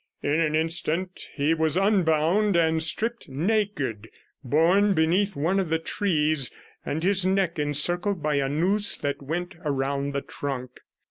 In an instant he was unbound and stripped naked, borne beneath one of the trees, and his neck encircled by a noose that went around the trunk.